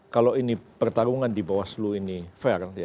kalau ini pertarungan di bawaslu ini fair